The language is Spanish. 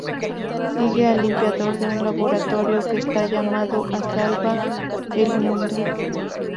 Sigue al limpiador de un laboratorio que está llamado a salvar el mundo.